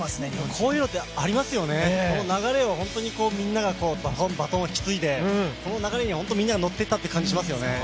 こういうのってありますよね、流れがみんながバトンを引き継いでその流れにみんなが乗っていったっていう感じがしますよね。